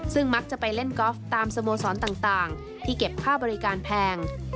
ซึ่งมักจะไปเล่นกอล์ฟตามสโมสรต่างที่เก็บค่าบริการแพง